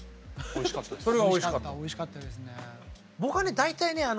おいしかったですね。